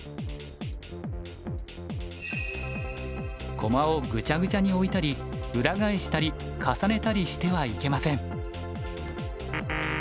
駒をぐちゃぐちゃに置いたり裏返したり重ねたりしてはいけません。